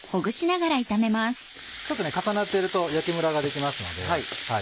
ちょっと重なっていると焼きむらができますので。